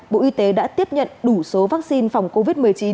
bộ y tế đã tiếp nhận đủ số vaccine phòng covid một mươi chín